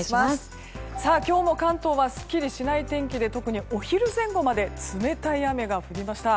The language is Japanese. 今日も関東はすっきりしない天気で特にお昼前後まで冷たい雨が降りました。